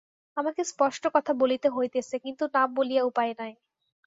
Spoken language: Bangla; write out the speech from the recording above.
আমাকে স্পষ্ট কথা বলিতে হইতেছে, কিন্তু না বলিয়া উপায় নাই।